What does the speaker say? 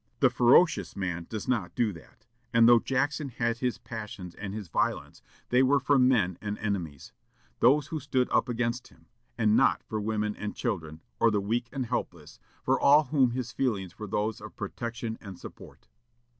The ferocious man does not do that! and though Jackson had his passions and his violence, they were for men and enemies those who stood up against him and not for women and children, or the weak and helpless; for all whom his feelings were those of protection and support."